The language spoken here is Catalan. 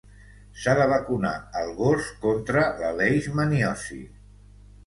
S'ha de vacunar el gos contra la leishmaniosi.